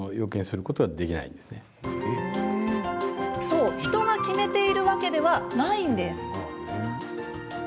そう、人が決めているわけではないんです。